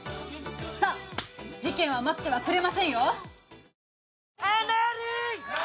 さあ、事件は待ってはくれませんよ！